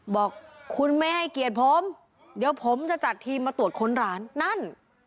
บอกคุณไม่ให้เกียรติผมเดี๋ยวผมจะจัดทีมมาตรวจค้นร้านนั่น